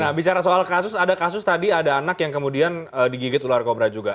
nah bicara soal kasus ada kasus tadi ada anak yang kemudian digigit ular kobra juga